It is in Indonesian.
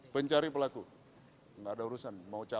welcome apalagi saya silahkan aja